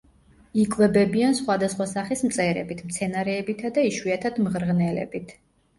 იკვებებიან სხვადასხვა სახის მწერებით, მცენარეებითა და იშვიათად მღრღნელებით.